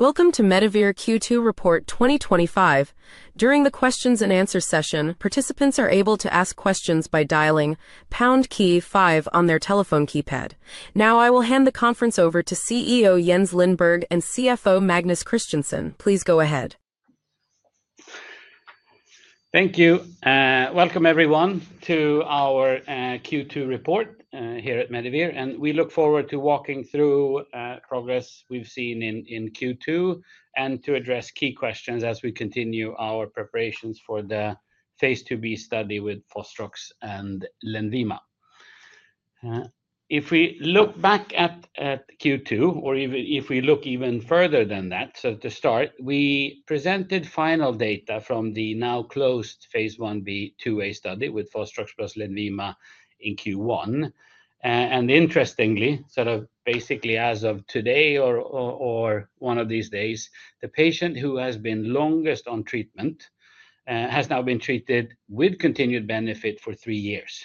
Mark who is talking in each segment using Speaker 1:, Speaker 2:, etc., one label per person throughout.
Speaker 1: Welcome to Medivir Q2 Report 2025. During the questions-and-answers session, participants are able to ask questions by dialing pound key five on their telephone keypad. Now, I will hand the conference over to CEO Jens Lindberg and CFO Magnus Christensen. Please go ahead.
Speaker 2: Thank you. Welcome, everyone, to our Q2 report here at Medivir. We look forward to walking through the progress we've seen in Q2 and to address key questions as we continue our preparations for the phase II-B study with fostrox and Lenvima. If we look back at Q2, or if we look even further than that, to start, we presented final data from the now closed phase I-B/II-A study with fostrox plus Lenvima in Q1. Interestingly, basically as of today or one of these days, the patient who has been longest on treatment has now been treated with continued benefit for three years,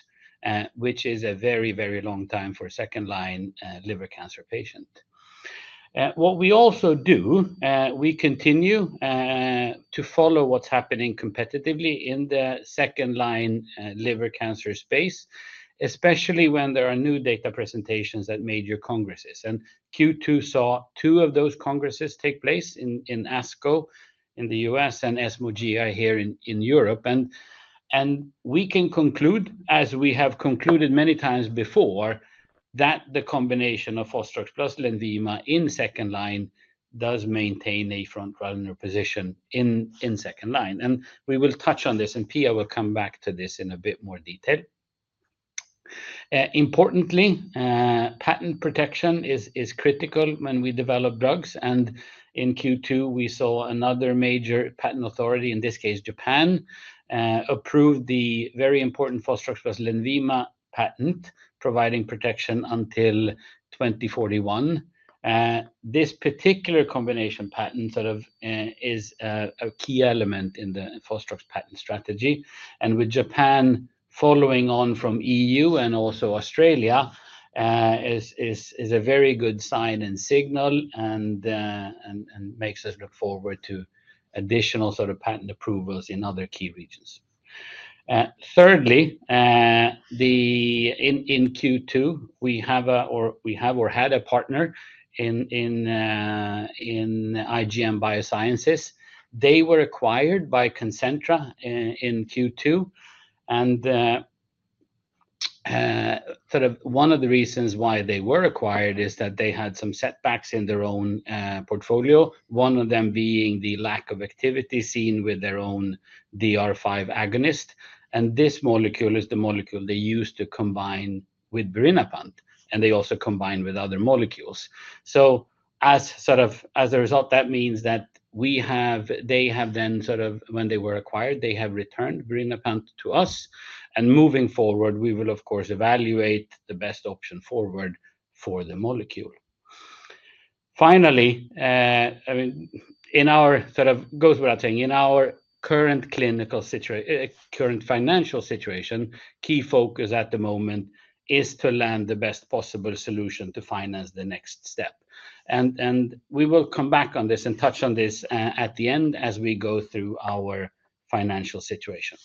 Speaker 2: which is a very, very long time for a second-line liver cancer patient. We also continue to follow what's happening competitively in the second-line liver cancer space, especially when there are new data presentations at major congresses. Q2 saw two of those congresses take place, ASCO in the U.S. and ESMO GI here in Europe. We can conclude, as we have concluded many times before, that the combination of fostrox plus Lenvima in second-line does maintain a front-runner position in second-line. Pia will come back to this in a bit more detail. Importantly, patent protection is critical when we develop drugs. In Q2, we saw another major patent authority, in this case, Japan, approve the very important fostrox plus Lenvima patent, providing protection until 2041. This particular combination patent is a key element in the fostrox patent strategy. With Japan following on from the EU and also Australia, it is a very good sign and signal and makes us look forward to additional patent approvals in other key regions. Thirdly, in Q2, we have or had a partner in IGM Biosciences. They were acquired by Concentra in Q2. One of the reasons why they were acquired is that they had some setbacks in their own portfolio, one of them being the lack of activity seen with their own DR5 agonist. This molecule is the molecule they used to combine with birinapant. They also combined with other molecules. As a result, when they were acquired, they have returned birinapant to us. Moving forward, we will, of course, evaluate the best option forward for the molecule. Finally, in our current financial situation, key focus at the moment is to land the best possible solution to finance the next step. We will come back on this and touch on this at the end as we go through our financial situation.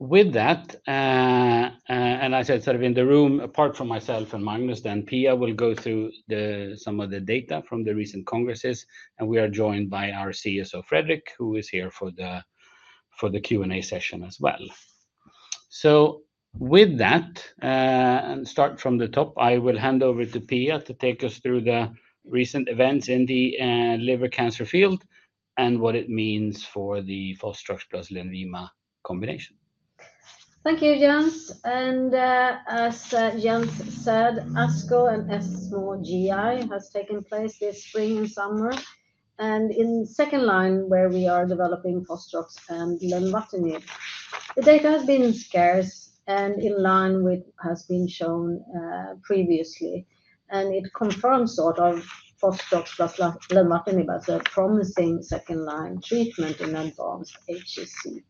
Speaker 2: With that, as I said, in the room, apart from myself and Magnus, Pia will go through some of the data from the recent congresses. We are joined by our CSO, Fredrik, who is here for the Q&A session as well. With that, starting from the top, I will hand over to Pia to take us through the recent events in the liver cancer field and what it means for the fostrox plus Lenvima combination.
Speaker 3: Thank you, Jens. As Jens said, ASCO and ESMO GI has taken place this spring and summer. In second-line, where we are developing fostrox and lenvatinib, the data has been scarce and in line with what has been shown previously. It confirms sort of fostrox plus lenvatinib as a promising second-line treatment in advanced HCC.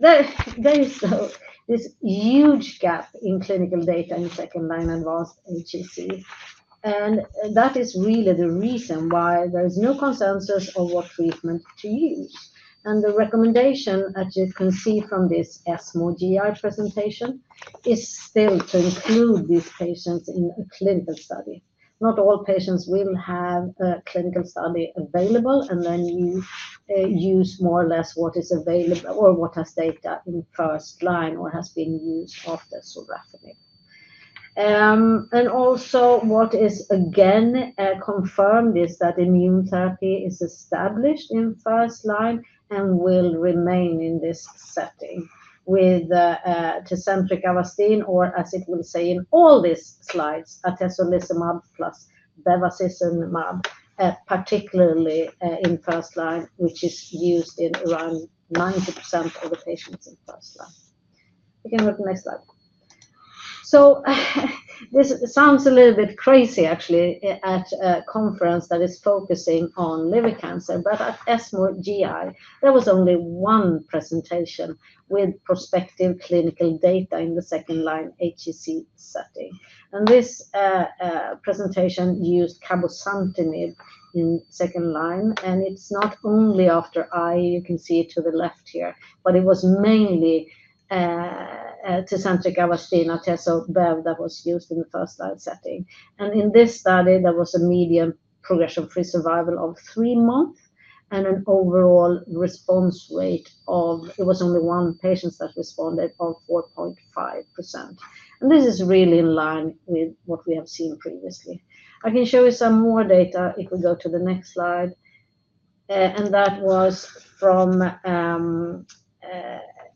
Speaker 3: There is this huge gap in clinical data in second-line advanced HCC, and that is really the reason why there is no consensus of what treatment to use. The recommendation, as you can see from this ESMO GI presentation, is still to include these patients in a clinical study. Not all patients will have a clinical study available and then use more or less what is available or what has data in first-line or has been used often for lenvatinib. Also, what is again confirmed is that immunotherapy is established in first-line and will remain in this setting with Tecentriq Avastin, or as it will say in all these slides, atezolizumab plus bevacizumab, particularly in first-line, which is used in around 90% of the patients in first-line. You can go to the next slide. This sounds a little bit crazy, actually, at a conference that is focusing on liver cancer. At ESMO GI, there was only one presentation with prospective clinical data in the second-line HCC setting. This presentation used cabozantinib in second-line. It's not only after I, you can see to the left here, but it was mainly Tecentriq Avastin atezolizumab that was used in the first-line setting. In this study, there was a median progression-free survival of three months and an overall response rate of it was only one patient that responded of 4.5%. This is really in line with what we have seen previously. I can show you some more data if we go to the next slide. That was from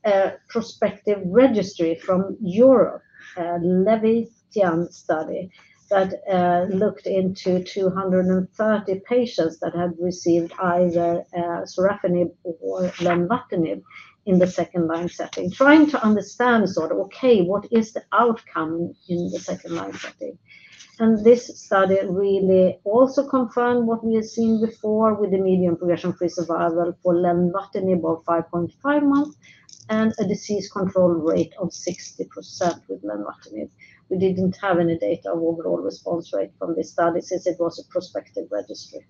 Speaker 3: a prospective registry from Europe, a Levi-Tian study that looked into 230 patients that had received either sorafenib or lenvatinib in the second-line setting, trying to understand sort of, okay, what is the outcome in the second-line setting? This study really also confirmed what we have seen before with the median progression-free survival for lenvatinib of 5.5 months and a disease control rate of 60% with lenvatinib. We didn't have any data of overall response rate from this study since it was a prospective registry.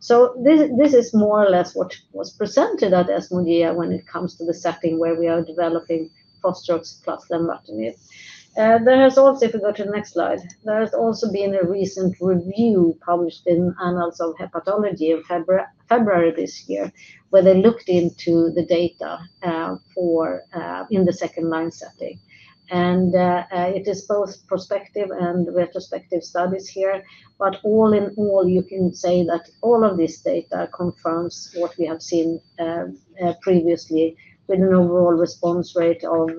Speaker 3: This is more or less what was presented at ESMO GI when it comes to the setting where we are developing fostrox plus lenvatinib. There has also, if we go to the next slide, there has also been a recent review published in Annals of Hepatology in February this year, where they looked into the data for in the second-line setting. It is both prospective and retrospective studies here. All in all, you can say that all of this data confirms what we have seen previously with an overall response rate of,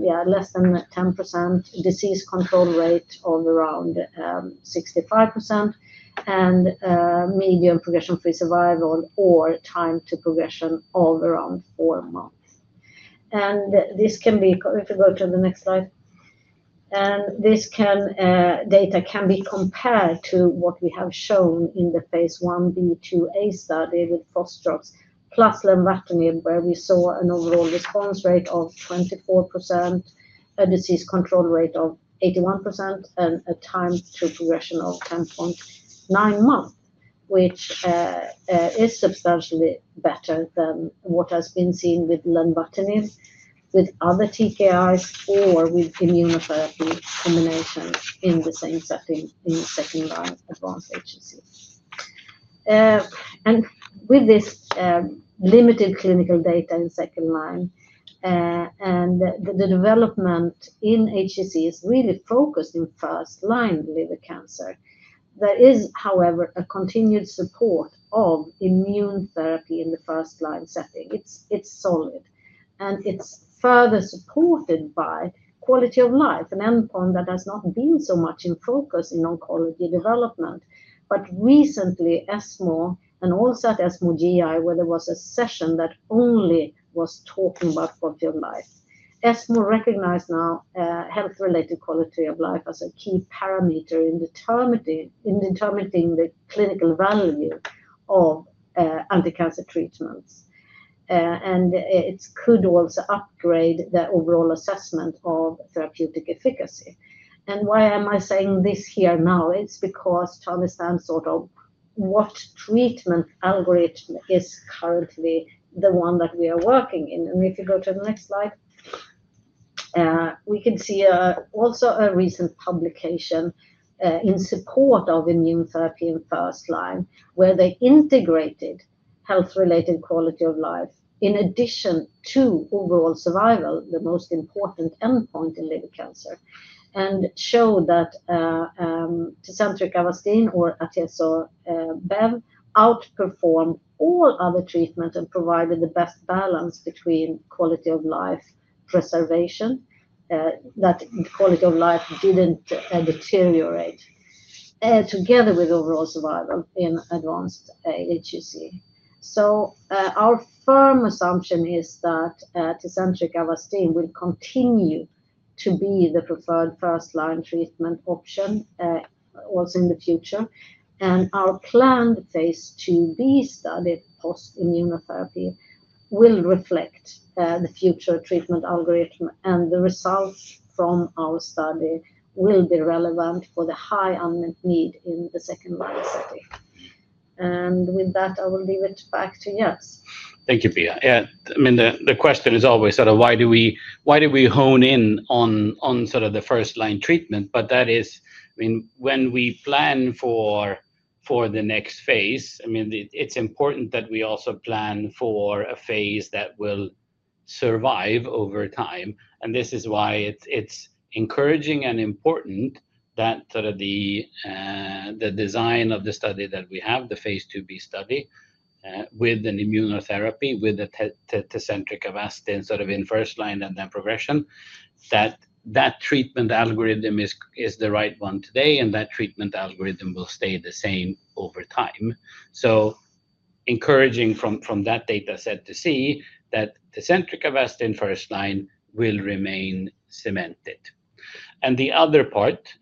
Speaker 3: yeah, less than 10%, disease control rate of around 65%, and median progression-free survival or time to progression of around four months. This can be, if you go to the next slide, and this data can be compared to what we have shown in the phase I-B/II-A study with fostroxacitabine bralpamide plus lenvatinib, where we saw an overall response rate of 24%, a disease control rate of 81%, and a time to progression of 10.9 months, which is substantially better than what has been seen with lenvatinib, with other TKIs, or with immunotherapy combination in the same setting in second-line advanced HC. With this limited clinical data in second-line and the development in HC is really focused in first-line liver cancer. There is, however, a continued support of immunotherapy in the first-line setting. It's solid. It's further supported by quality of life, an endpoint that has not been so much in focus in oncology development. Recently, ESMO and also at ESMO GI, where there was a session that only was talking about quality of life, ESMO recognized now health-related quality of life as a key parameter in determining the clinical value of anti-cancer treatments. It could also upgrade the overall assessment of therapeutic efficacy. Why am I saying this here now? It's because to understand sort of what treatment algorithm is currently the one that we are working in. If you go to the next slide, we can see also a recent publication in support of immunotherapy in first-line, where they integrated health-related quality of life in addition to overall survival, the most important endpoint in liver cancer, and showed that Tecentriq Avastin or atezolizumab outperformed all other treatments and provided the best balance between quality of life preservation, that quality of life didn't deteriorate, together with overall survival in advanced HC. Our firm assumption is that Tecentriq Avastin will continue to be the preferred first-line treatment option also in the future. Our plan, the phase II-B study, post-immunotherapy, will reflect the future treatment algorithm. The results from our study will be relevant for the high unmet need in the second-line setting. With that, I will leave it back to Jens.
Speaker 2: Thank you, Pia. Yeah, I mean, the question is always sort of why do we hone in on sort of the first-line treatment? That is, I mean, when we plan for the next phase, it's important that we also plan for a phase that will survive over time. This is why it's encouraging and important that sort of the design of the study that we have, the phase II-B study, with an immunotherapy, with the Tecentriq Avastin sort of in first-line and then progression, that that treatment algorithm is the right one today. That treatment algorithm will stay the same over time. Encouraging from that data set to see that Tecentriq Avastin first-line will remain cemented. The other part,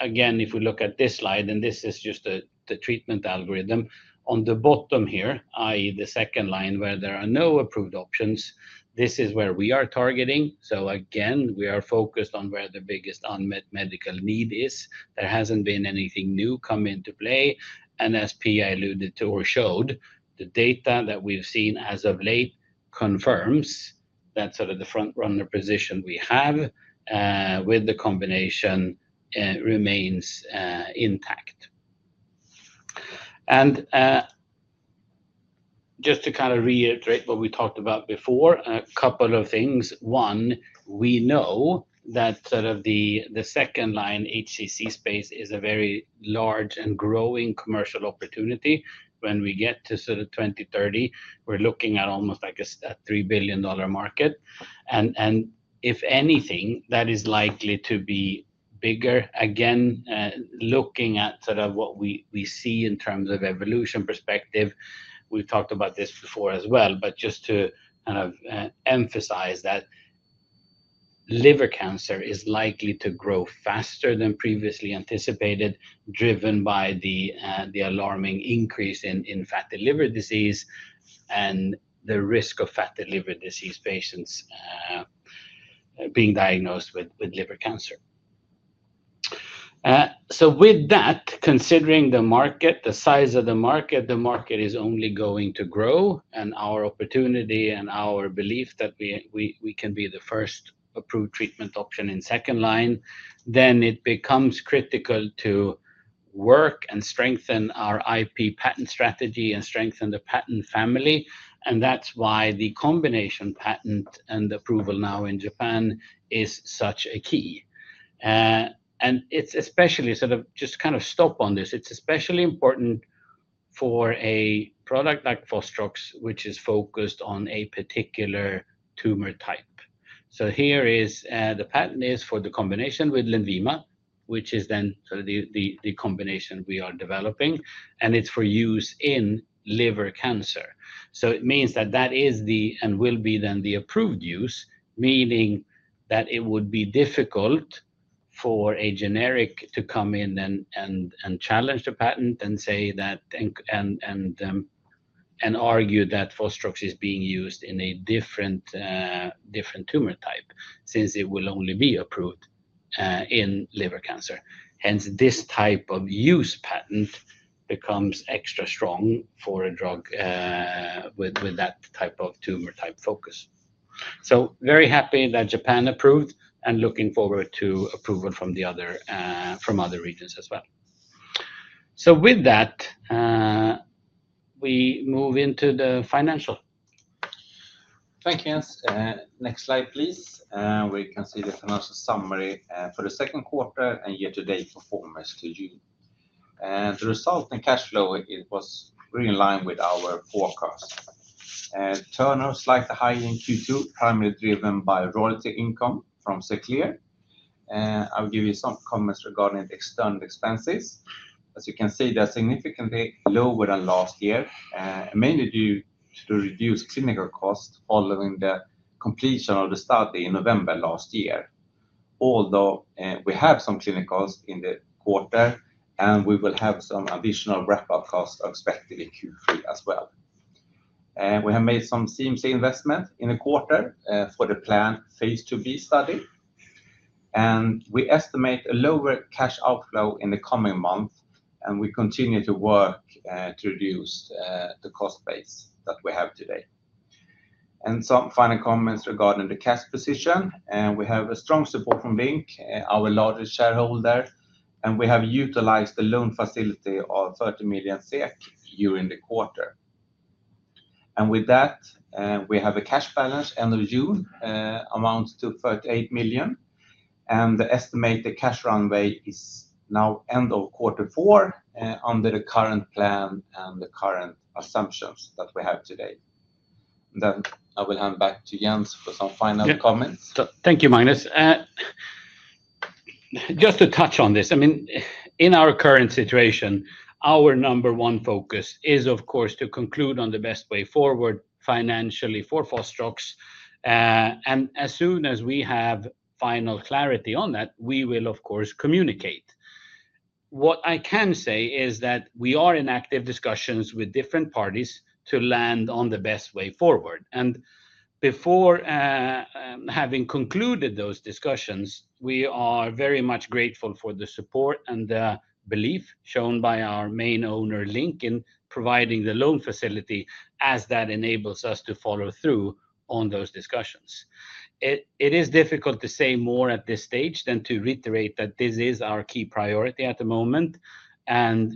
Speaker 2: again, if we look at this slide, and this is just the treatment algorithm, on the bottom here, i.e., the second line where there are no approved options, this is where we are targeting. Again, we are focused on where the biggest unmet medical need is. There hasn't been anything new come into play. As Pia alluded to or showed, the data that we've seen as of late confirms that sort of the front-runner position we have with the combination remains intact. Just to kind of reiterate what we talked about before, a couple of things. One, we know that sort of the second-line HCC space is a very large and growing commercial opportunity. When we get to sort of 2030, we're looking at almost like a $3 billion market. If anything, that is likely to be bigger. Again, looking at sort of what we see in terms of evolution perspective, we've talked about this before as well. Just to kind of emphasize that liver cancer is likely to grow faster than previously anticipated, driven by the alarming increase in fatty liver disease and the risk of fatty liver disease patients being diagnosed with liver cancer. With that, considering the market, the size of the market, the market is only going to grow, and our opportunity and our belief that we can be the first approved treatment option in second-line, then it becomes critical to work and strengthen our IP patent strategy and strengthen the patent family. That's why the combination patent and approval now in Japan is such a key. It's especially sort of just kind of stop on this. It's especially important for a product like fostrox, which is focused on a particular tumor type. Here is the patent for the combination with Lenvima, which is then sort of the combination we are developing. It's for use in liver cancer. It means that that is the and will be then the approved use, meaning that it would be difficult for a generic to come in and challenge the patent and say that and argue that fostrox is being used in a different tumor type since it will only be approved in liver cancer. Hence, this type of use patent becomes extra strong for a drug with that type of tumor type focus. Very happy that Japan approved and looking forward to approval from other regions as well. With that, we move into the financial.
Speaker 4: Thank you, Jens. Next slide, please. We can see the financial summary for the second quarter and year-to-date for former Q2. The result in cash flow, it was really in line with our forecast. Turnover is slightly higher in Q2, primarily driven by royalty income from Sinclair. I'll give you some comments regarding external expenses. As you can see, they're significantly lower than last year, mainly due to the reduced clinical costs following the completion of the study in November last year. Although we have some clinicals in the quarter, we will have some additional wrap-up costs expected in Q3 as well. We have made some CMC investment in the quarter for the planned phase II-B study. We estimate a lower cash outflow in the coming months. We continue to work to reduce the cost base that we have today. Some final comments regarding the cash position. We have strong support from Bink, our largest shareholder. We have utilized the loan facility of 30 million SEK during the quarter. With that, we have a cash balance end of June amounts to 38 million. The estimated cash runway is now end of Q4 under the current plan and the current assumptions that we have today. I will hand back to Jens for some final comments.
Speaker 2: Thank you, Magnus. Just to touch on this, I mean, in our current situation, our number one focus is, of course, to conclude on the best way forward financially for fostrox. As soon as we have final clarity on that, we will, of course, communicate. What I can say is that we are in active discussions with different parties to land on the best way forward. Before having concluded those discussions, we are very much grateful for the support and the belief shown by our main owner, Bink, providing the loan facility, as that enables us to follow through on those discussions. It is difficult to say more at this stage than to reiterate that this is our key priority at the moment.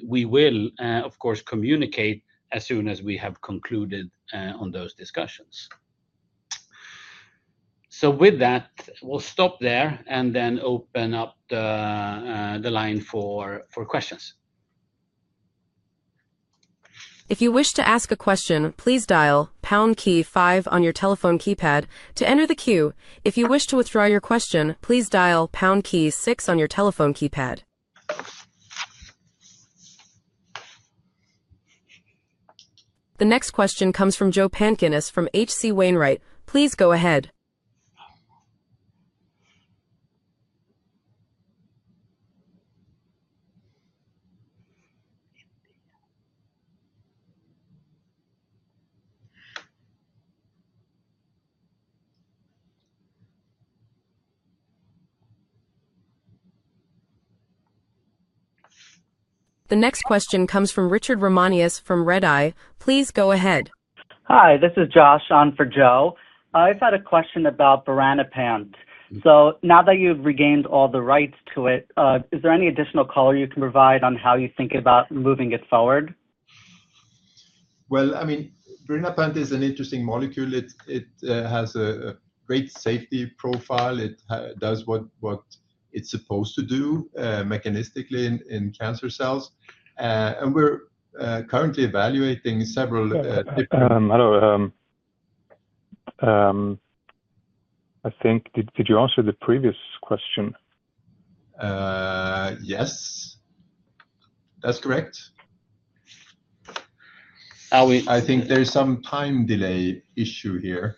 Speaker 2: We will, of course, communicate as soon as we have concluded on those discussions. With that, we'll stop there and then open up the line for questions.
Speaker 1: If you wish to ask a question, please dial pound key five on your telephone keypad to enter the queue. If you wish to withdraw your question, please dial pound key six on your telephone keypad. The next question comes from Joe Pankinas from H.C. Wainwright. Please go ahead. The next question comes from Richard Ramanius from Redeye. Please go ahead.
Speaker 5: Hi, this is Josh on for Joe. I have a question about birinapant. Now that you've regained all the rights to it, is there any additional color you can provide on how you think about moving it forward?
Speaker 6: Birinapant is an interesting molecule. It has a great safety profile. It does what it's supposed to do mechanistically in cancer cells. We're currently evaluating several different.
Speaker 2: Did you answer the previous question?
Speaker 6: Yes, that's correct. I think there's some time delay issue here.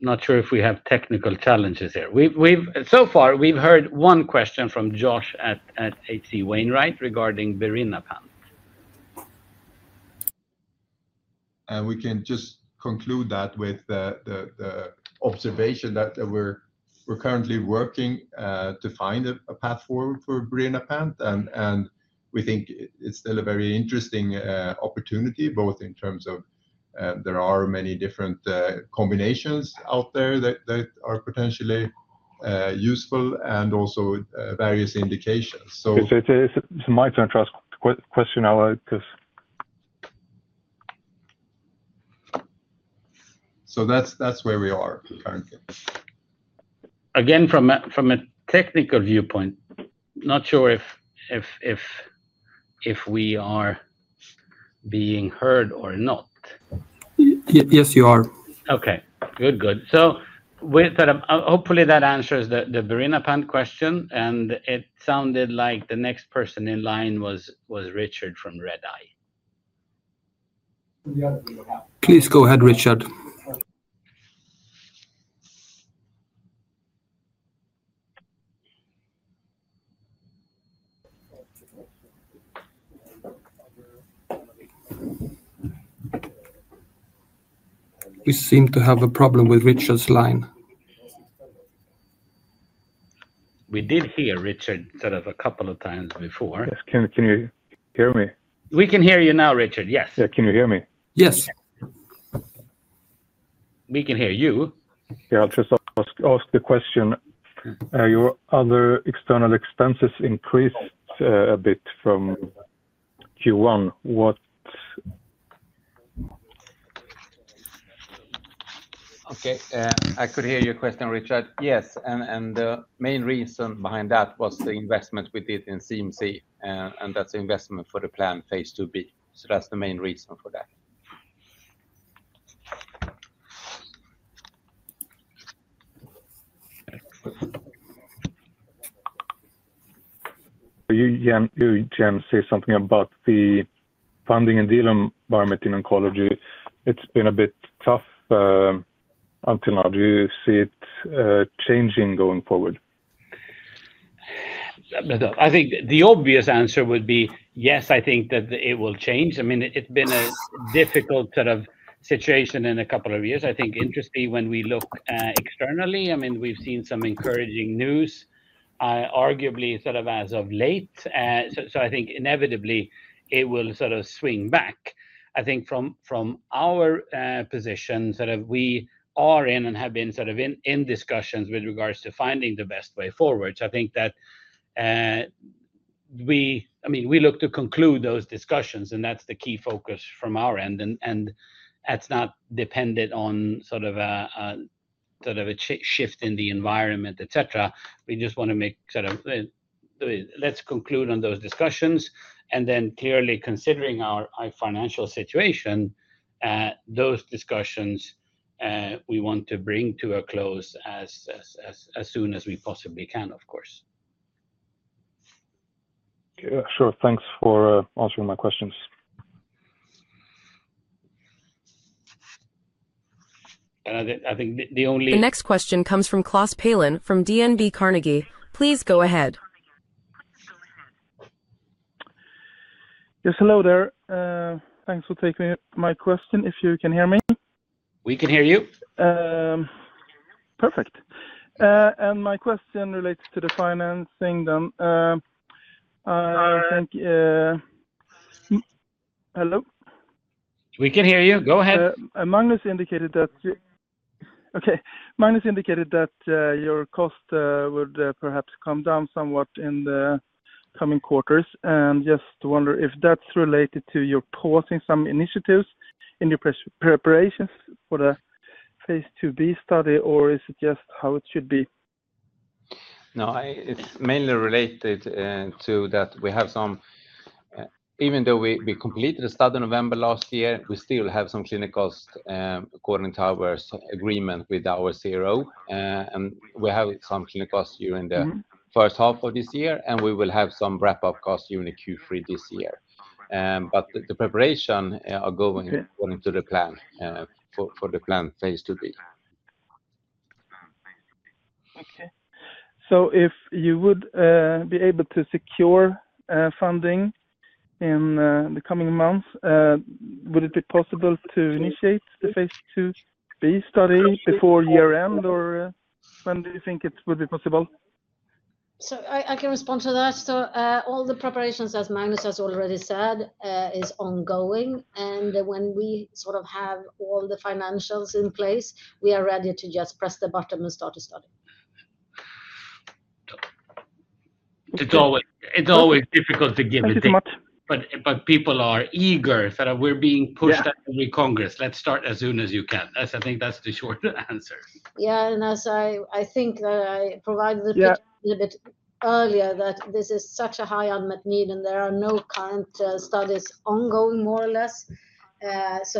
Speaker 2: Not sure if we have technical challenges here. So far, we've heard one question from Josh at H.C. Wainwright regarding birinapant.
Speaker 6: We can just conclude that with the observation that we're currently working to find a path forward for birinapant. We think it's still a very interesting opportunity, both in terms of there are many different combinations out there that are potentially useful and also various indications.
Speaker 5: Is it my turn to ask a question?
Speaker 6: That is where we are currently.
Speaker 2: Again, from a technical viewpoint, not sure if we are being heard or not.
Speaker 5: Yes, you are.
Speaker 2: OK, good, good. Hopefully that answers the birinapant question. It sounded like the next person in line was Richard from Redeye.
Speaker 4: Please go ahead, Richard. We seem to have a problem with Richard's line.
Speaker 2: We did hear Richard a couple of times before.
Speaker 7: Yes, can you hear me?
Speaker 2: We can hear you now, Richard, yes.
Speaker 7: Yeah, can you hear me?
Speaker 2: Yes. We can hear you.
Speaker 7: I'll just ask a question. Are your other external expenses increased a bit from Q1?
Speaker 2: OK, I could hear your question, Richard. Yes, the main reason behind that was the investment we did in CMC. That's the investment for the planned phase II-B. That's the main reason for that.
Speaker 7: Jens says something about the funding and deal environment in oncology. It's been a bit tough until now. Do you see it changing going forward?
Speaker 2: I think the obvious answer would be yes, I think that it will change. It's been a difficult sort of situation in a couple of years. Interestingly, when we look externally, we've seen some encouraging news, arguably as of late. I think inevitably it will swing back. From our position, we are in and have been in discussions with regards to finding the best way forward. We look to conclude those discussions. That's the key focus from our end. That's not dependent on a shift in the environment, et cetera. We just want to make sure we conclude on those discussions. Clearly, considering our financial situation, those discussions we want to bring to a close as soon as we possibly can, of course.
Speaker 7: Sure, thanks for answering my questions.
Speaker 2: I think the only.
Speaker 1: The next question comes from Klas Palin from DNB Carnegie. Please go ahead.
Speaker 8: Yes, hello there. Thanks for taking my question, if you can hear me.
Speaker 2: We can hear you.
Speaker 8: Perfect. My question relates to the financing then. Hello.
Speaker 2: We can hear you. Go ahead.
Speaker 8: Magnus indicated that your cost would perhaps come down somewhat in the coming quarters. I just wonder if that's related to your pausing some initiatives in your preparations for the phase II-B study, or is it just how it should be?
Speaker 2: No, it's mainly related to that we have some, even though we completed the study in November last year, we still have some clinicals according to our agreement with our CRO. We have some clinicals during the first half of this year, and we will have some wrap-up costs during Q3 this year. The preparation are going according to the plan for the planned phase II-B.
Speaker 8: If you would be able to secure funding in the coming months, would it be possible to initiate the phase II-B study before year end? Or when do you think it would be possible?
Speaker 3: I can respond to that. All the preparations, as Magnus has already said, is ongoing. When we sort of have all the financials in place, we are ready to just press the button and start the study.
Speaker 2: It's always difficult to give it.
Speaker 8: Thank you very much.
Speaker 2: People are eager. We're being pushed at every Congress. Let's start as soon as you can. I think that's the short answer.
Speaker 3: As I think that I provided a little bit earlier, this is such a high unmet need. There are no current studies ongoing more or less. It's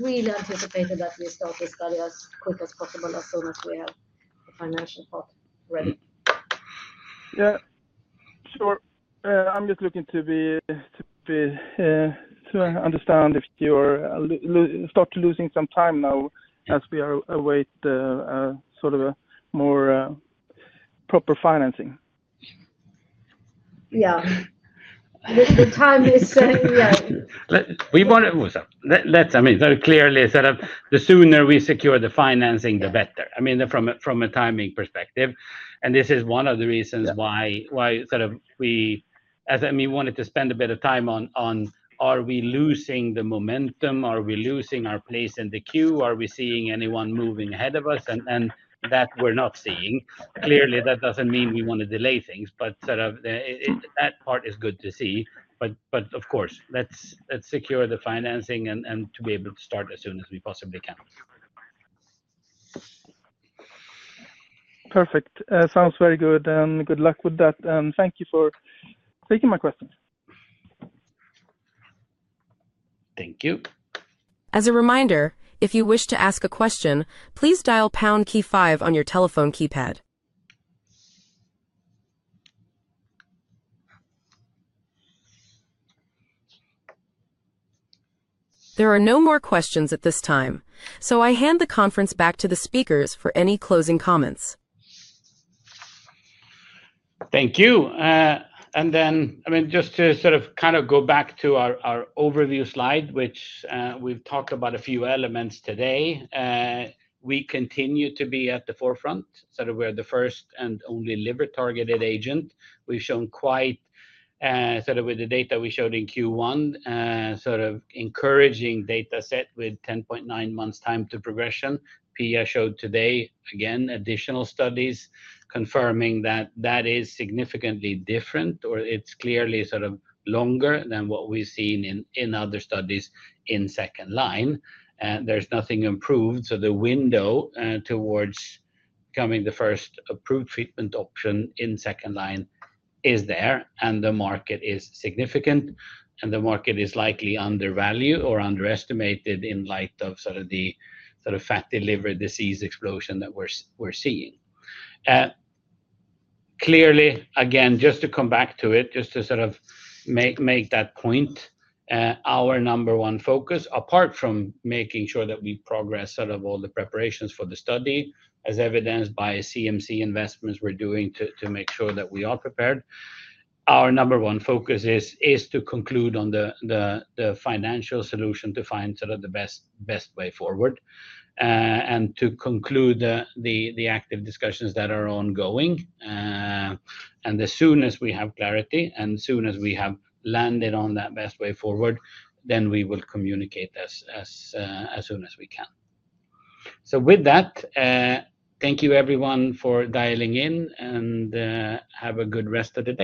Speaker 3: really anticipated that we start the study as quick as possible as soon as we have the financial part ready.
Speaker 8: I'm just looking to understand if you start losing some time now as we await sort of a more proper financing.
Speaker 3: The time is, yeah.
Speaker 2: Clearly, the sooner we secure the financing, the better from a timing perspective. This is one of the reasons why we wanted to spend a bit of time on, are we losing the momentum? Are we losing our place in the queue? Are we seeing anyone moving ahead of us? We're not seeing that. Clearly, that doesn't mean we want to delay things. That part is good to see. Of course, let's secure the financing and be able to start as soon as we possibly can.
Speaker 8: Perfect. Sounds very good. Good luck with that, and thank you for taking my question.
Speaker 2: Thank you.
Speaker 1: As a reminder, if you wish to ask a question, please dial pound key five on your telephone keypad. There are no more questions at this time. I hand the conference back to the speakers for any closing comments.
Speaker 2: Thank you. Just to sort of go back to our overview slide, which we've talked about a few elements today, we continue to be at the forefront. We are the first and only liver targeted agent. We've shown quite, with the data we showed in Q1, encouraging data set with 10.9 months time to progression. Pia showed today, again, additional studies confirming that is significantly different, or it's clearly longer than what we've seen in other studies in second-line. There's nothing improved. The window towards becoming the first approved treatment option in second-line is there. The market is significant. The market is likely undervalued or underestimated in light of the sort of fatty liver disease explosion that we're seeing. Clearly, again, just to come back to it, just to make that point, our number one focus, apart from making sure that we progress all the preparations for the study, as evidenced by CMC investments we're doing to make sure that we are prepared, our number one focus is to conclude on the financial solution to find the best way forward and to conclude the active discussions that are ongoing. As soon as we have clarity and as soon as we have landed on that best way forward, we will communicate as soon as we can. Thank you, everyone, for dialing in. Have a good rest of the day.